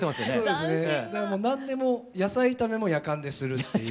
でも何でも野菜炒めもやかんでするっていう。